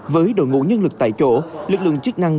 với đội ngũ nhân lực tại chỗ lực lượng chức năng